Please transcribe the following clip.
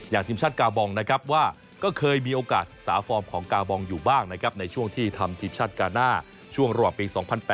ทีมชาติกาบองนะครับว่าก็เคยมีโอกาสศึกษาฟอร์มของกาบองอยู่บ้างนะครับในช่วงที่ทำทีมชาติกาหน้าช่วงระหว่างปี๒๐๐๘